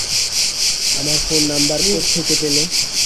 আমার phone number কোত্থেকে পেলে?